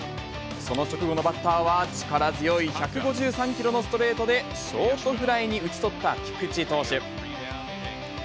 その直後のバッターは、力強い１５３キロのストレートでショートフライに打ち取った菊池投手。